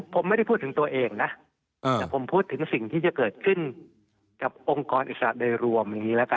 ผมไม่ได้พูดถึงตัวเองนะแต่ผมพูดถึงสิ่งที่จะเกิดขึ้นกับองค์กรอิสระโดยรวมอย่างนี้ละกัน